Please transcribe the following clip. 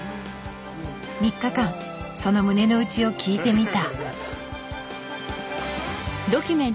３日間その胸の内を聞いてみた。